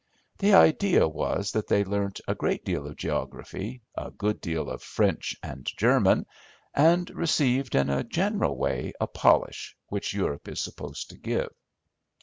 The idea was that they learnt a great deal of geography, a good deal of French and German, and received in a general way a polish which Europe is supposed to give.